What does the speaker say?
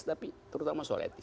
tapi terutama soal etis